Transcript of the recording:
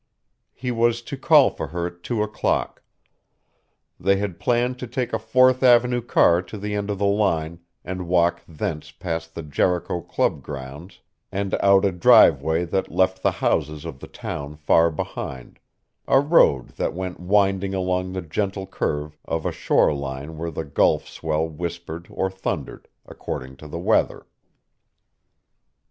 He was to call for her at two o'clock. They had planned to take a Fourth Avenue car to the end of the line and walk thence past the Jericho Club grounds and out a driveway that left the houses of the town far behind, a road that went winding along the gentle curve of a shore line where the Gulf swell whispered or thundered, according to the weather.